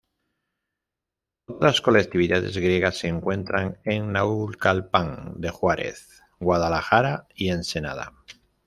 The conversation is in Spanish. Otras colectividades griegas se encuentran en Naucalpan de Juárez, Guadalajara y Ensenada.